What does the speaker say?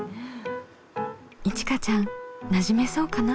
いちかちゃんなじめそうかな？